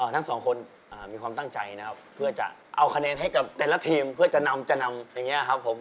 ทั้งสองคนมีความตั้งใจนะครับเพื่อจะเอาคะแนนให้กับแต่ละทีมเพื่อจะนำจะนำอย่างนี้ครับผม